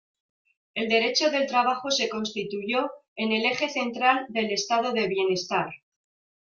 El derecho del trabajo se constituyó en el eje central del estado de bienestar.